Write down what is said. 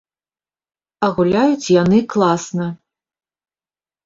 А гуляюць яны класна.